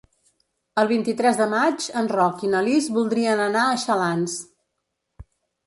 El vint-i-tres de maig en Roc i na Lis voldrien anar a Xalans.